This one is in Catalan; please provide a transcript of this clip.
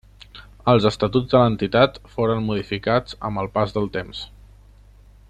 Els estatuts de l'entitat foren modificats amb el pas del temps.